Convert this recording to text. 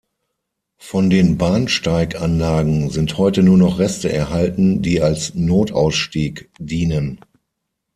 Von den Bahnsteiganlagen sind heute nur noch Reste erhalten, die als Notausstieg dienen.